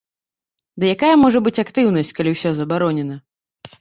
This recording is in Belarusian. Ды якая можа быць актыўнасць, калі ўсё забаронена?